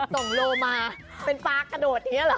ส่งโลมาเป็นปลากระโดดนี้หรอ